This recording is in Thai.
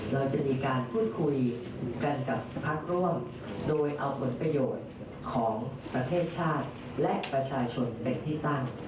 เราจะมีการพูดคุยกันกับพักร่วมโดยเอาผลประโยชน์ของประเทศชาติและประชาชนเป็นที่ตั้ง